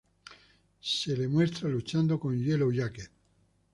Se le muestra luchando con Yellowjacket.